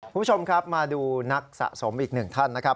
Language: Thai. คุณผู้ชมครับมาดูนักสะสมอีกหนึ่งท่านนะครับ